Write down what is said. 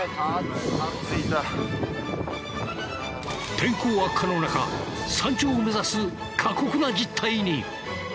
天候悪化の中山頂を目指す過酷な実態に。